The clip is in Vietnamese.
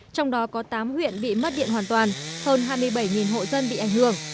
trong đó có tám huyện bị mất điện hoàn toàn hơn hai mươi bảy hộ dân bị ảnh hưởng